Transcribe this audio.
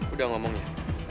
udah ngomong ya